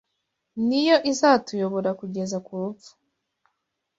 Ni yo izatuyobora kugeza ku rupfu.